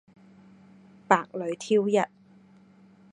百裏挑一